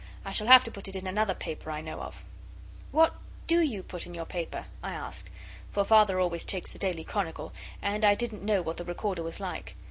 I shall have to put it in another paper I know of.' 'What do you put in your paper?' I asked, for Father always takes the Daily Chronicle, and I didn't know what the Recorder was like.